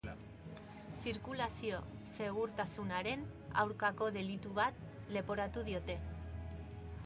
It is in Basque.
Zirkulazio-segurtasunaren aurkako delitu bat leporatu diote.